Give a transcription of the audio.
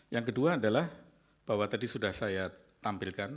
yang kedua adalah bahwa tadi sudah saya tampilkan